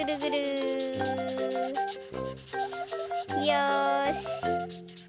よし。